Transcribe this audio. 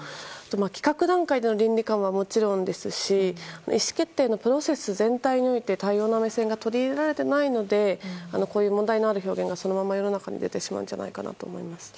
企画段階での倫理観はもちろんですし意思決定のプロセス全体において多様な目線が取り入れられてないのでこういう問題のある表現がそのまま世の中に出てしまうのではないかと思います。